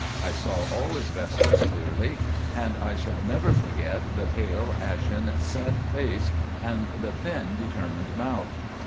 I saw all his vestments clearly, and I shall never forget the pale, ashen set face, and the thin determined mouth.